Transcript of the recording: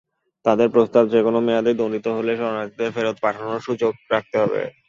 তাঁদের প্রস্তাব, যেকোনো মেয়াদে দণ্ডিত হলেই শরণার্থীদের ফেরত পাঠানোর সুযোগ রাখতে হবে।